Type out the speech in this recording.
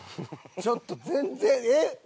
ちょっと全然えっ？